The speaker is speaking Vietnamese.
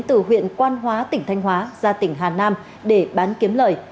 từ huyện quan hóa tỉnh thanh hóa ra tỉnh hà nam để bán kiếm lời